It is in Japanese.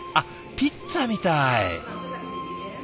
ピッツァみたい。